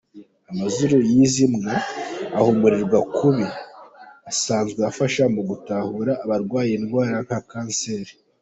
Amazuru y'izi mbwa ahumurirwa kubi, asanzwe afasha mu gutahura abarwaye indwara nka kanseri.